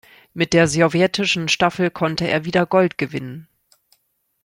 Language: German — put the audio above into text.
Mit der sowjetischen Staffel konnte er wieder Gold gewinnen.